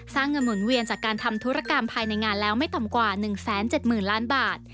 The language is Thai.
เงินหมุนเวียนจากการทำธุรกรรมภายในงานแล้วไม่ต่ำกว่า๑๗๐๐๐ล้านบาท